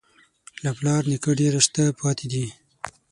له پلار نیکه ډېر شته پاتې دي.